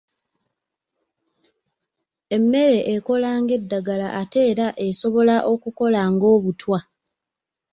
Emmere ekola ng'eddagala ate era esobola okukola ng'obutwa.